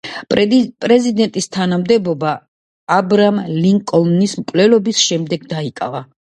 პრეზიდენტის თანამდებობა აბრაამ ლინკოლნის მკვლელობის შემდეგ დაიკავა.